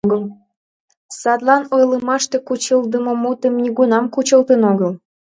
Садлан ойлымаште кучылтдымо мутым нигунам кучылтын огыл.